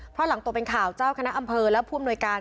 เพราะหลังตกเป็นข่าวเจ้าคณะอำเภอและผู้อำนวยการ